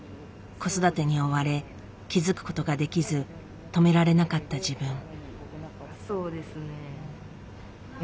子育てに追われ気付くことができず止められなかった自分。